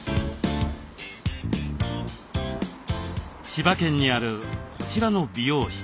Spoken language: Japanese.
千葉県にあるこちらの美容室。